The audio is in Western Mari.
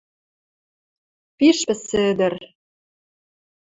Пиш пӹсӹ ӹдӹр.